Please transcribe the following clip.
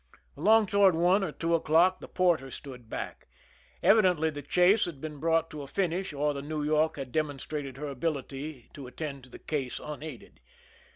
Along toward one or two o'clock the Porter stood back. Evid6>ntly the chase had been brought to a finish, or the New York had demonstrated her ability to attend to the case unaided.